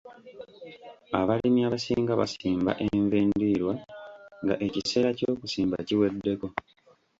Abalimi abasinga basimba envendiirwa nga ekiseera ky'okusimba kiweddeko.